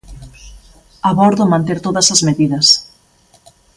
A bordo manter todas as medidas.